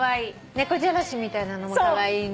猫じゃらしみたいのもカワイイね。